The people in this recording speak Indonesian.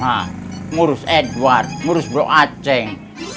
ah ngurus edward ngurus bro aceh